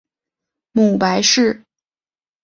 母白氏。